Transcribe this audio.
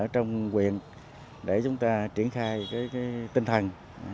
trong quyền để chúng ta triển khai tinh thần